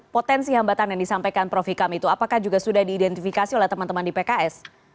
potensi hambatan yang disampaikan prof ikam itu apakah juga sudah diidentifikasi oleh teman teman di pks